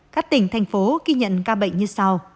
các tỉnh thành phố ghi nhận ca bệnh như sau